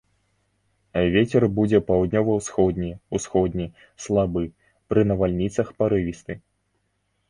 Вецер будзе паўднёва-ўсходні, усходні, слабы, пры навальніцах парывісты.